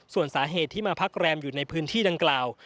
ส่วนสาเหตุที่มาพักแรมอยู่ในพื้นที่ดังกล่าว